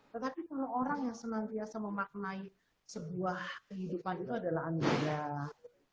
tetapi kalau orang yang senantiasa memaknai sebuah kehidupan itu adalah anugerah